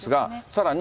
さらに。